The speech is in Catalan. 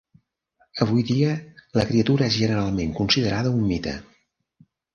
Avui dia la criatura és generalment considerada un mite.